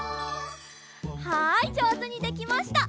はいじょうずにできました！